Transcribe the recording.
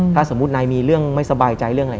ถ้าสมมุตินายมีเรื่องไม่สบายใจเรื่องอะไร